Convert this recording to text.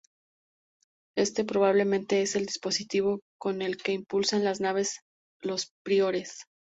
Éste probablemente es el dispositivo con el que impulsan las naves los Priores.